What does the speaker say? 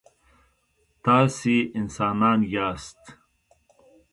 تاسي انسانان یاست.